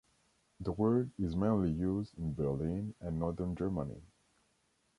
The word is mainly used in Berlin and northern Germany.